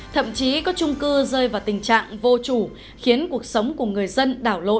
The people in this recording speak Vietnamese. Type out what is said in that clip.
thậm chí có trung cư rơi vào tình trạng vô chủ khiến cuộc sống của người dân đảo lộn